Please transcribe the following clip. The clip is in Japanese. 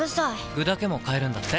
具だけも買えるんだって。